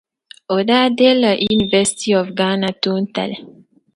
O daa deei la University of Ghana toon tali.